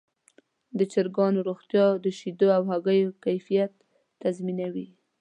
د چرګانو روغتیا د شیدو او هګیو کیفیت تضمینوي.